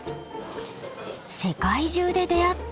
世界中で出会った。